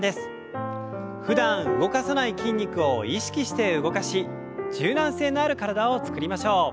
ふだん動かさない筋肉を意識して動かし柔軟性のある体を作りましょう。